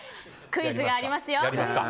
クイズがありますよ。